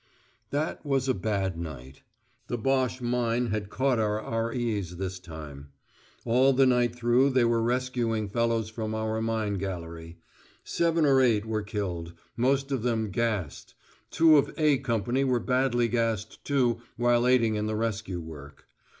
That was a bad night. The Boche mine had caught our R.E.'s this time. All the night through they were rescuing fellows from our mine gallery. Seven or eight were killed, most of them "gassed"; two of "A" Company were badly gassed too while aiding in the rescue work.